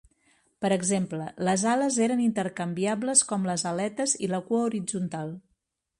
Per exemple, les ales eren intercanviables com les aletes i la cua horitzontal.